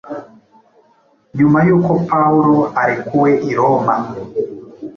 Nyuma y’uko Pawulo arekuwe i Roma,